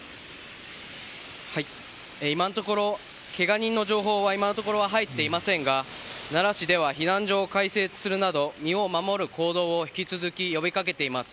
今のところけが人の情報は入っていませんが奈良市では避難所を開設するなど身を守る行動を引き続き呼びかけています。